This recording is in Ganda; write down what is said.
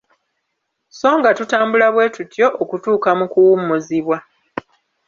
So nga tutambula bwetutyo okutuuka mu kuwummuzibwa.